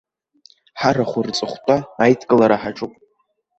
Ҳарахә рҵыхәтәа аидкылара ҳаҿуп!